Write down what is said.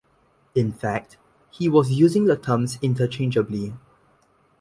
In fact he was using the terms interchangeably.